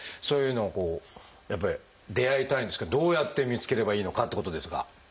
そういうのをこうやっぱり出会いたいんですけどどうやって見つければいいのかってことですが。